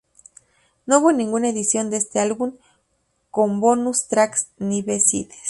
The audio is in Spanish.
No hubo ninguna edición de este álbum con bonus tracks ni B-sides.